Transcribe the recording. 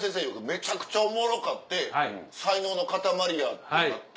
めちゃくちゃおもろかって才能のかたまりや！ってなって。